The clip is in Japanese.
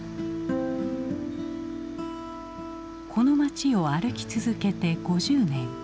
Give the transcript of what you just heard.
この街を歩き続けて５０年。